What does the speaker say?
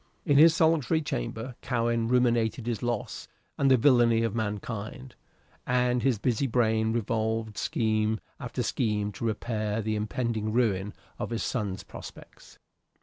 In his solitary chamber Cowen ruminated his loss and the villany of mankind, and his busy brain revolved scheme after scheme to repair the impending ruin of his son's prospects.